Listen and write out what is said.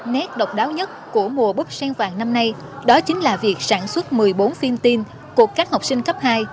nét độc đáo nhất của mùa bức sen vàng năm nay đó chính là việc sản xuất một mươi bốn phim tin của các học sinh cấp hai